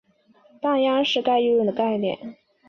半鞅是概率论的概念。